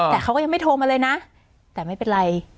แต่เขาก็ยังไม่โทรมาเลยนะแต่ไม่เป็นไร